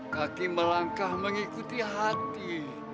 kaki melangkah mengikuti hati